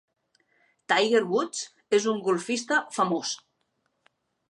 Tiger Woods és un golfista famós.